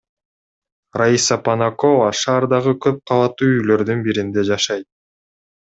Раиса Понакова шаардагы көп кабаттуу үйлөрдүн биринде жашайт.